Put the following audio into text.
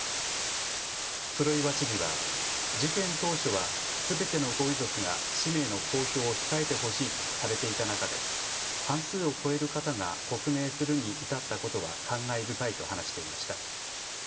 黒岩知事は事件当初はすべてのご遺族が氏名の公表を控えてほしいとされていた中で半数を超える方が刻銘するに至ったことは感慨深いと話していました。